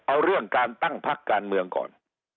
เอาเรื่องการตั้งพักการเมืองก่อน